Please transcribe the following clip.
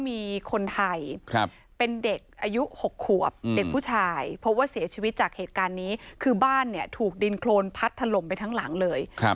มีคนไทย